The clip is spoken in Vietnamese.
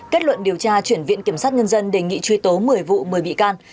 kết luận điều tra chuyển viện kiểm sát nhân dân đề nghị truy tố một mươi vụ một mươi bị can